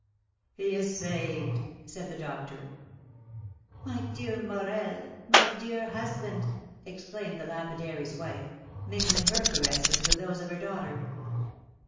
"He is saved!" said the doctor. "My dear Morel, my dear husband!" exclaimed the lapidary's wife, mingling her caresses with those of her daughter.